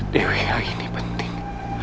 dewi ini penting